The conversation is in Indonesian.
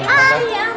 hai ya ampun